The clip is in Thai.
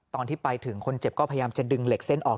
ตอนที่ไปถึงคนเจ็บก็พยายามจะดึงเหล็กเส้นออก